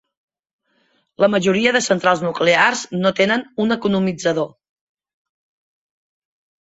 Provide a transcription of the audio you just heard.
La majoria de centrals nuclears no tenen un economitzador.